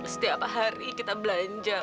setiap hari kita belanja